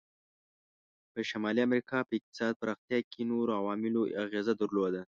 په شمالي امریکا په اقتصاد پراختیا کې نورو عواملو اغیزه درلوده.